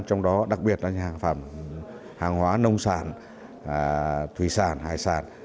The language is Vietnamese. trong đó đặc biệt là hàng hóa nông sản thủy sản hải sản